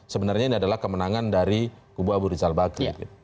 sebenarnya ini adalah kemenangan dari kubu abu rizal bakri